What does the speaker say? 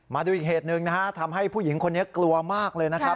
มาดูอีกเหตุหนึ่งนะฮะทำให้ผู้หญิงคนนี้กลัวมากเลยนะครับ